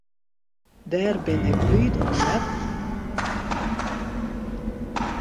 Dêr bin ik bliid om, hear.